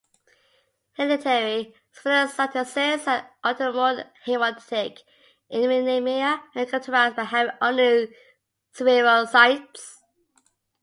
Hereditary spherocytosis and autoimmune hemolytic anemia are characterized by having "only" spherocytes.